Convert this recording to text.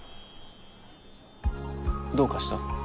どうかした？